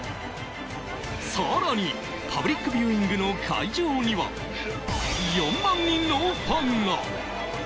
さらにパブリックビューイングの会場には、４万人のファンが。